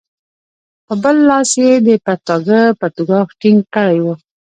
په بل لاس یې د پرتاګه پرتوګاښ ټینګ کړی وو.